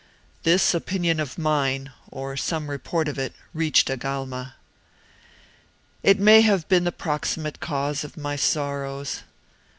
"This opinion of mine, or some report of it, reached Agalma. "It may have been the proximate cause of my sorrows.